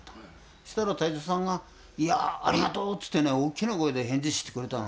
そしたら隊長さんが「いやあありがとう！」ってね大きな声で返事してくれたの。